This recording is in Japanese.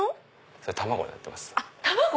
それ卵になってます。